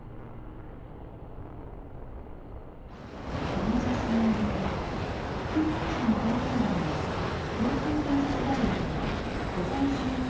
この写真をもとに復元模写に取り組んだのが東京藝術大学の保存修復